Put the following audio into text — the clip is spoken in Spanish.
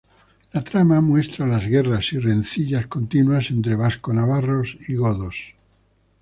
La trama muestra las guerras y rencillas continuas entre vasco-navarros y godos.